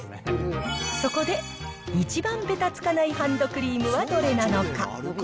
そこで、一番べたつかないハンドクリームはどれなのか。